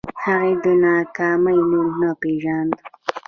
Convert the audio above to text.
هغې د ناکامۍ نوم نه پېژانده